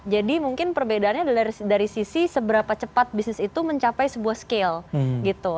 jadi mungkin perbedaannya dari sisi seberapa cepat bisnis itu mencapai sebuah scale gitu